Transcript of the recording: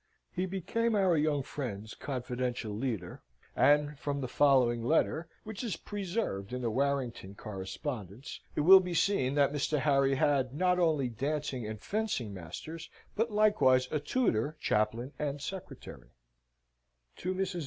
He became our young friend's confidential leader, and, from the following letter, which is preserved in the Warrington correspondence, it will be seen that Mr. Harry not only had dancing and fencing masters, but likewise a tutor, chaplain, and secretary: TO MRS.